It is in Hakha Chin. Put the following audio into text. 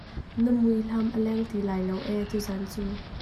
Na muihlam a leng ti lai lo ee tuzaan cu.